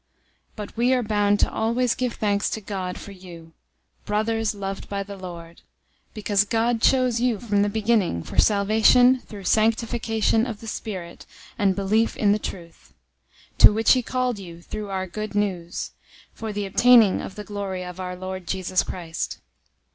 002:013 But we are bound to always give thanks to God for you, brothers loved by the Lord, because God chose you from the beginning for salvation through sanctification of the Spirit and belief in the truth; 002:014 to which he called you through our Good News, for the obtaining of the glory of our Lord Jesus Christ.